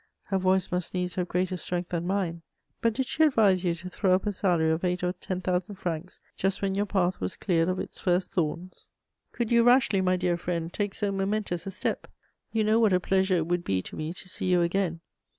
Her voice must needs have greater strength than mine. But did she advise you to throw up a salary of eight or ten thousand francs just when your path was cleared of its first thorns? Could you rashly, my dear friend, take so momentous a step? You know what a pleasure it would be to me to see you again.